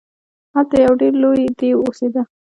هلته یو ډیر لوی دیو اوسیده.